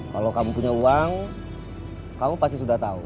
kalau kamu punya uang kamu pasti sudah tahu